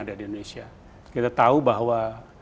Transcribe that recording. ada di indonesia kita tahu bahwa